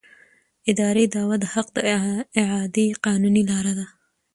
اداري دعوه د حق د اعادې قانوني لاره ده.